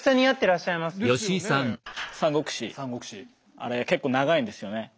あれ結構長いんですよね。